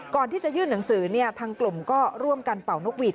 ก่อนที่จะยื่นหนังสือทางกลุ่มก็ร่วมกันเป่านกหวีด